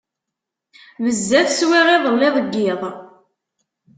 Bezzaf swiɣ iḍelli deg yiḍ.